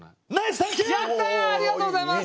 やったありがとうございます！